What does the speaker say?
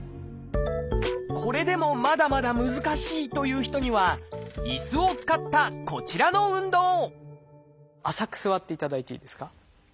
これでもまだまだ難しいという人には椅子を使ったこちらの運動浅く座っていただいていいですか。